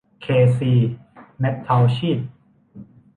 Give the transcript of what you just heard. เค ซี เมททอลชีท